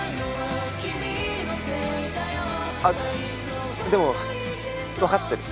あっでもわかってる。